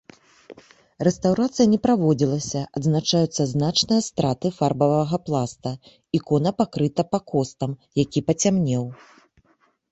Рэстаўрацыя не праводзілася, адзначаюцца значныя страты фарбавага пласта, ікона пакрыта пакостам, які пацямнеў.